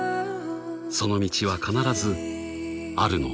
その道は必ずあるのだから］